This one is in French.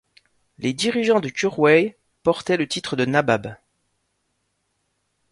Les dirigeants de Kurwai portaient le titre de nabab.